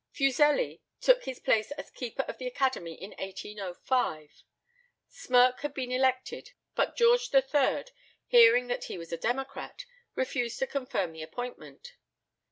Fuseli took his place as Keeper of the Academy in 1805. Smirke had been elected, but George III., hearing that he was a democrat, refused to confirm the appointment.